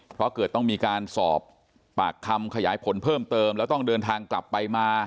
เพราะเกิดต้องมีการสอบปากคำขยายผลเพิ่มเติมแล้วต้องเดินทางกลับไปมา